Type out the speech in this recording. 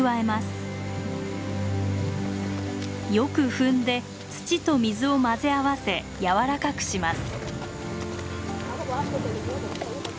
よく踏んで土と水を混ぜ合わせやわらかくします。